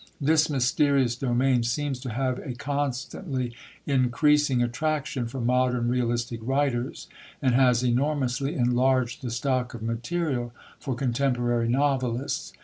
This mysterious domain seems to have a constantly increasing attraction for modern realistic writers, and has enormously enlarged the stock of material for contemporary novelists.